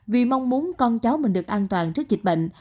vì mong muốn con cháu mình được an toàn trước dịch bệnh